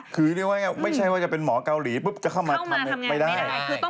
คือเรียกว่าไม่ใช่ว่าจะเป็นหมอเกาหลีปุ๊บจะเข้ามาทำไม่ได้